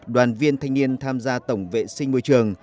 đoàn viên thanh niên tham gia tổng vệ sinh môi trường